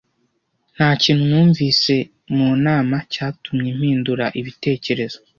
Nta kintu numvise mu nama cyatumye mpindura ibitekerezo.